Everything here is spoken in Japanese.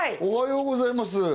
おはようございます